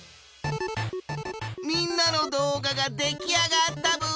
みんなの動画が出来上がったブー！